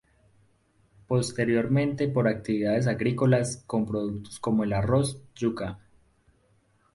Posteriormente por actividades agrícolas con productos como el arroz, yuca.